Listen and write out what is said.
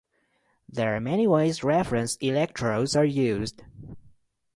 There are many ways reference electrodes are used.